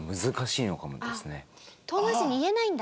遠回しに言えないんだ。